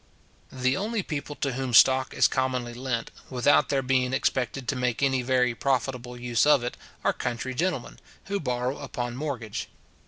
The only people to whom stock is commonly lent, without their being expected to make any very profitable use of it, are country gentlemen, who borrow upon mortgage.